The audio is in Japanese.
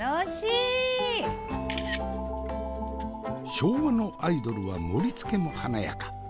昭和のアイドルは盛りつけも華やか。